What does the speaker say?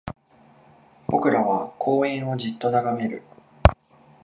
僕らは公園をじっと眺める